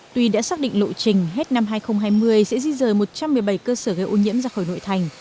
tuy đã xác định lộ trình hết năm hai nghìn hai mươi sẽ di rời một trăm một mươi bảy cơ sở gây ô nhiễm ra khỏi nội thành